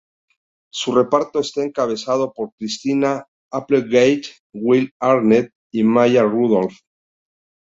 Su reparto está encabezado por Christina Applegate, Will Arnett y Maya Rudolph.